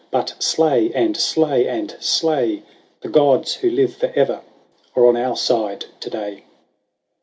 But slay, and slay, and slay ; The Gods who live for ever Are on our side to day."